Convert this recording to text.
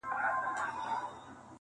ورځه ویده سه موږ به څرک د سبا ولټوو--!